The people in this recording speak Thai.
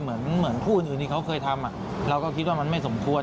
เหมือนคู่อื่นที่เขาเคยทำเราก็คิดว่ามันไม่สมควร